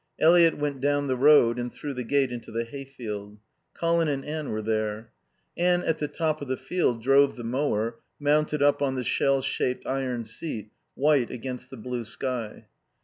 Eliot went down the road and through the gate into the hay field. Colin and Anne were there. Anne at the top of the field drove the mower, mounted up on the shell shaped iron seat, white against the blue sky.